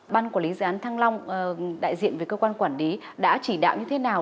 ban quản lý dự án thăng long đại diện về cơ quan quản lý đã chỉ đạo như thế nào